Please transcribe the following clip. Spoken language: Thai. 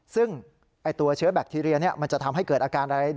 ซึ่งตัวเชื้อแบคทีเรียมันจะทำให้เกิดอาการอะไร